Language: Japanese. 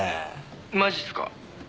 「マジっすか？」